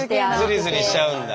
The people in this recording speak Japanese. ズリズリしちゃうんだ。